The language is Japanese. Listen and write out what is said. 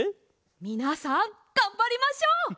みなさんがんばりましょう。